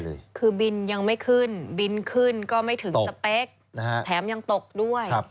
คือบินยังไม่ขึ้นบินขึ้นก็ไม่ถึงสเปคแถมยังตกด้วย